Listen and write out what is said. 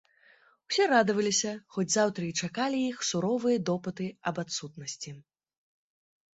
Усе радаваліся, хоць заўтра і чакалі іх суровыя допыты аб адсутнасці.